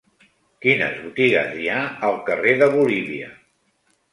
Quines botigues hi ha al carrer de Bolívia?